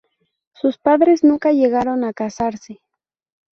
Sus padres nunca llegaron a casarse.